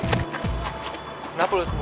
kenapa lo semua